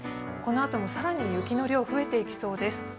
このあともさらに雪の量が増えていきそうです。